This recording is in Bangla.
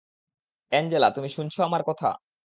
অ্যাঞ্জেলা, তুমি শুনছ আমার কথা?